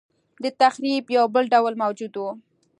دتخریب یو بل ډول موجود و.